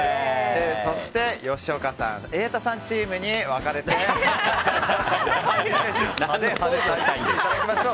そして吉岡さん・瑛太さんチームに分かれて戦っていただきます。